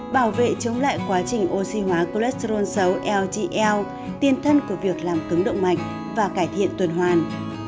bảo vệ chống lại quá trình oxy hóa cholesterol xấu ldl tiên thân của việc làm cứng động mạch và cải thiện tuần hoàn